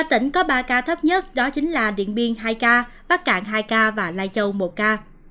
ba tỉnh có ba ca thấp nhất đó chính là điện biên hai ca bắc cạn hai ca và lai châu một ca